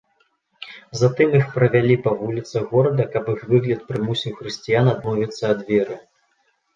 Затым іх правялі па вуліцах горада, каб іх выгляд прымусіў хрысціян адмовіцца ад веры.